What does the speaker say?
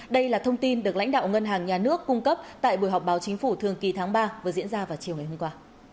đây là thông tin được lãnh đạo ngân hàng nhà nước cung cấp tại buổi họp báo chính phủ thường kỳ tháng ba vừa diễn ra vào chiều ngày hôm qua